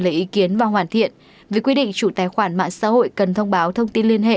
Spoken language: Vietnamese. lấy ý kiến và hoàn thiện việc quy định chủ tài khoản mạng xã hội cần thông báo thông tin liên hệ